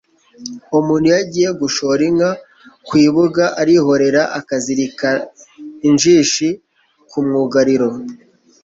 Umuntu iyo agiye gushora inka ku ibuga, arihorera akazirika injishi ku mwugariro,